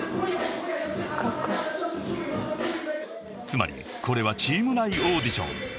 ［つまりこれはチーム内オーディション］